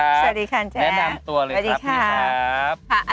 สวัสดีค่ะแจ๊บแนะนำตัวเลยครับพี่ค่ะสวัสดีค่ะ